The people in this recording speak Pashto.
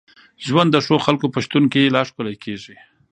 ژوند د ښو خلکو په شتون کي لا ښکلی کېږي.